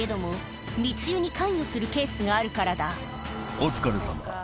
今お疲れさま。